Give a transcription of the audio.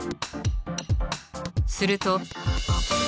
すると。